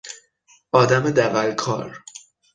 آدم دغلکار